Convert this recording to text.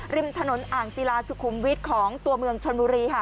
ริมถนนอ่างศิลาสุขุมวิทย์ของตัวเมืองชนบุรีค่ะ